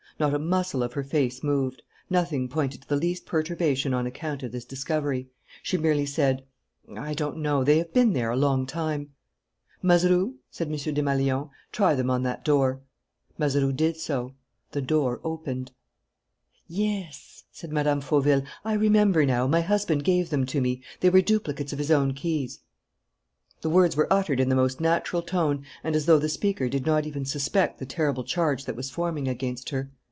Not a muscle of her face moved. Nothing pointed to the least perturbation on account of this discovery. She merely said: "I don't know. They have been there a long time." "Mazeroux," said M. Desmalions, "try them on that door." Mazeroux did so. The door opened. "Yes," said Mme. Fauville. "I remember now, my husband gave them to me. They were duplicates of his own keys " The words were uttered in the most natural tone and as though the speaker did not even suspect the terrible charge that was forming against her.